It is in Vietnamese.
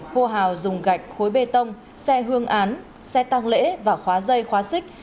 hô hào dùng gạch khối bê tông xe hương án xe tăng lễ và khóa dây khóa xích